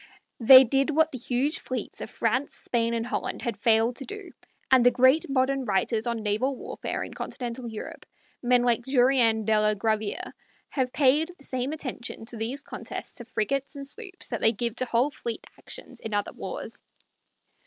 They did what the huge fleets of France, Spain, and Holland had failed to do, and the great modern writers on naval warfare in Continental Europe men like Jurien de la Graviere have paid the same attention to these contests of frigates and sloops that they give to whole fleet actions of other wars.